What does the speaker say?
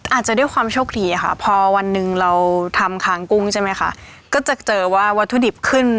อาจจะได้ความชกทีพอวันนึงลองทำค้างก็จับวว่าวัตถุดิบขึ้น